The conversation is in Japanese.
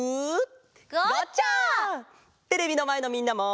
ゴッチャ！テレビのまえのみんなも。